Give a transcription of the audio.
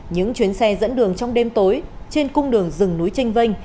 những chuyến xe dẫn đường trong đêm tối trên cung đường rừng núi trinh vinh